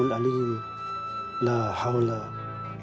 jadik kasek ketumbahan w docker